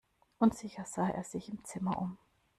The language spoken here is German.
Unsicher sah er sich im Zimmer um.